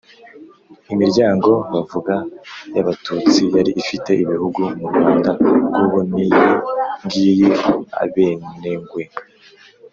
imiryango bavuga yabatutsi yari ifite ibihugu mu rwanda rw’ubu, ni iyi ngiyi: abenengwe,